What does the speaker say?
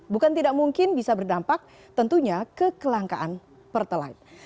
bukan tidak mungkin bisa berdampak tentunya kekelangkaan pertelit